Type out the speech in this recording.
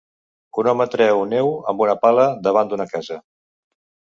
Un home treu neu amb una pala davant d'una casa.